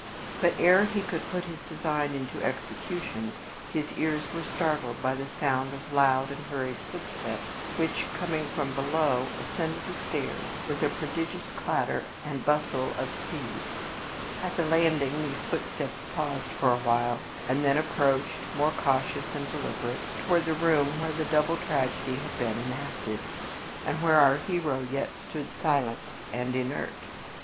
But ere he could put his design into execution his ears were startled by the sound of loud and hurried footsteps which, coming from below, ascended the stairs with a prodigious clatter and bustle of speed. At the landing these footsteps paused for a while, and then approached, more cautious and deliberate, toward the room where the double tragedy had been enacted, and where our hero yet stood silent and inert.